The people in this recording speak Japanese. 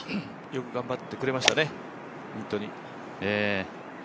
よく頑張ってくれましたね、本当に。